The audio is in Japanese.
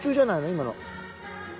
今の。